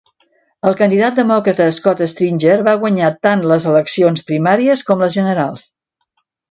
El candidat demòcrata Scott Stringer va guanyar tant les eleccions primàries com les generals.